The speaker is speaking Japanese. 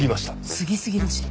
過ぎすぎだし。